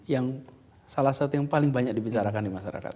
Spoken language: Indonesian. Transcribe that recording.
yang salah satu yang paling banyak dibicarakan di masyarakat